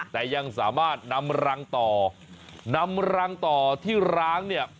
แต่ยังสามารถนำรังต่อนำรังต่อที่ร้างเนี่ย